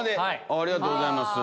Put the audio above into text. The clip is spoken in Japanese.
ありがとうございます。